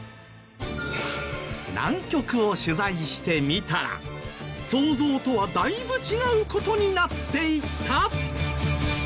南極を取材してみたら想像とはだいぶ違う事になっていた？